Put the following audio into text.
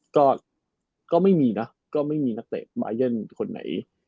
ก็ก็ไม่มีนะก็ไม่มีนักเตะมาเย่นคนไหน